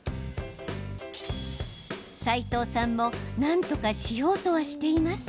齊藤さんもなんとかしようとはしています。